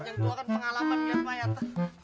yang tuakan pengalaman biar mayat